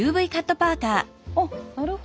あっなるほどね。